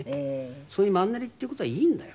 そういうマンネリっていう事はいいんだよ。